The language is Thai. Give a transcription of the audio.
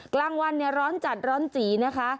กลางวันเนี่ยร้อนจัดร้อนจีนะคะ